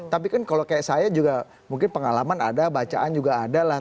tapi kan kalau kayak saya juga mungkin pengalaman ada bacaan juga ada lah